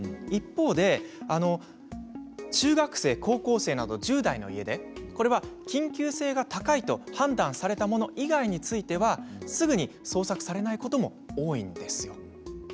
一方で中学生、高校生など１０代の家出は緊急性が高いと判断されるもの以外はすぐに捜索してもらえないことが多いんです。